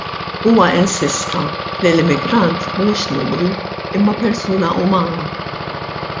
Huwa insista li l-immigrant mhuwiex numru imma persuna umana.